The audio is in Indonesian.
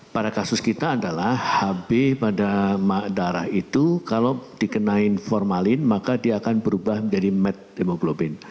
pada kasus kita adalah hb pada darah itu kalau dikenain formalin maka dia akan berubah menjadi med demoglobin